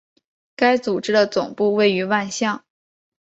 该组织的总部位于万象。